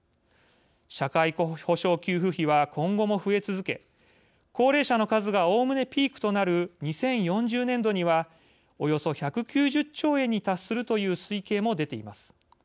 社会保障給付費は今後も増え続け高齢者の数がおおむねピークとなる２０４０年度にはおよそ１９０兆円に達するという推計も出ています。